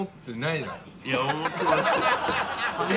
いや思ってますよ。